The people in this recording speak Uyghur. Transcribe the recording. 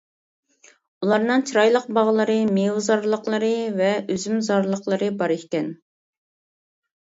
ئۇلارنىڭ چىرايلىق باغلىرى، مېۋىزارلىقلىرى ۋە ئۈزۈمزارلىقلىرى بار ئىكەن.